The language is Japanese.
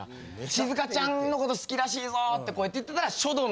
しずかちゃんのこと好きらしいぞって言ってたら。